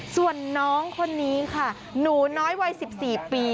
ส่วนน้องคนนี้ค่ะหนูน้อยวัย๑๔ปี